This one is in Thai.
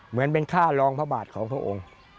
เหมือนเป็นค่ารองพระบาทของพระองค์